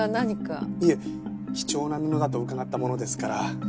いえ貴重な布だと伺ったものですから。